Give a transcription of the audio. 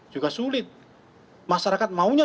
juga sulit masyarakat maunya